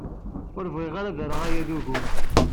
Ur bɣiɣ ara ad rreɣ aya d ugur.